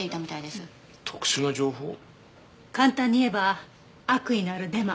簡単に言えば悪意のあるデマ。